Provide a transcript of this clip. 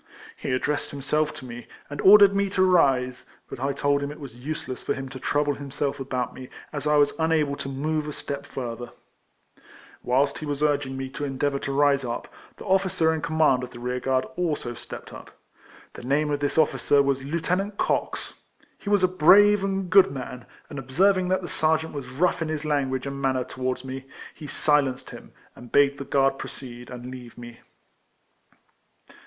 He addressed him self to me, and ordered me to rise ; but I told him it was useless for him to trouble himself about me, as I was unable to move a step further. "Whilst he was urging me RIFLEMAN HARRIS. 219 to endeavour to rise up, the officer in com mand of the rear guard also stepped up. The name of this officer was Lieutenant Cox; he was a brave and good man, and observing that the sergeant was rough in his language and manner towards me, he silenced him, and bade the guard proceed, and leave me.